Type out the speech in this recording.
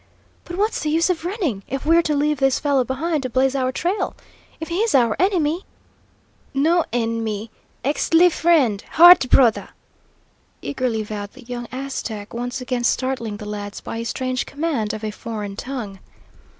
"But what's the use of running, if we're to leave this fellow behind to blaze our trail? If he is our enemy " "No en'my; Ixtli friend, heart brother," eagerly vowed the young Aztec, once again startling the lads by his strange command of a foreign tongue.